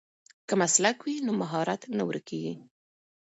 که مسلک وي نو مهارت نه ورکېږي.